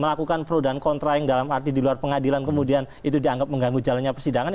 melakukan pro dan kontra yang dalam arti di luar pengadilan kemudian itu dianggap mengganggu jalannya persidangan